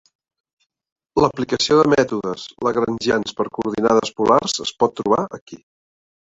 L'aplicació de mètodes lagrangians per coordinades polars es pot trobar aquí.